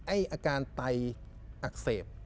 ไอ้อาการใต้อักเสบ